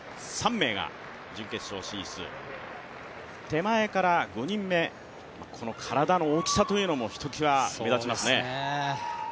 手前から５人目、体の大きさというのもひときわ目立ちますね。